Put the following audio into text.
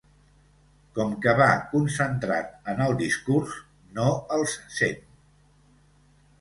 Com que va concentrat en el discurs no els sent.